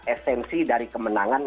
esensi dari kemenangan